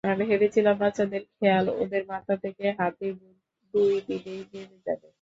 ভেবেছিলাম বাচ্চাদের খেয়াল, ওদের মাথা থেকে হাতির ভূত দুই দিনেই নেমে যাবে।